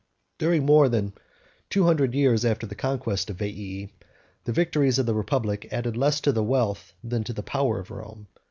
82 During more than two hundred years after the conquest of Veii, the victories of the republic added less to the wealth than to the power of Rome.